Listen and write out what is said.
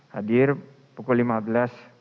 hadir pukul lima belas